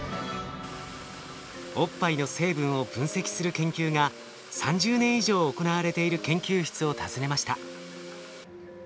おっぱいの成分を分析する研究が３０年以上行われている研究室を訪ねました。